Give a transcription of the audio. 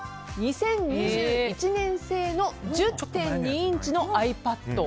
２０２１年製の１０．２インチのｉＰａｄ。